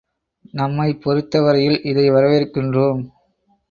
நம்மைப் பொருத்த வரையில் இதை வரவேற்கின்றோம்.